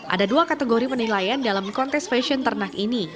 ada dua kategori penilaian dalam kontes fashion ternak ini